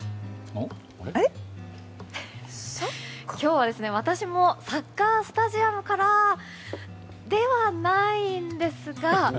今日は私もサッカースタジアムからではないんですが。